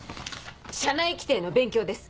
社内規定の勉強です